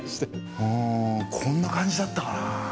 あこんな感じだったかな。